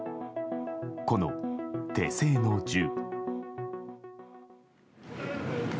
この手製の銃。